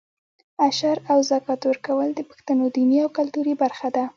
عشر او زکات ورکول د پښتنو دیني او کلتوري برخه ده.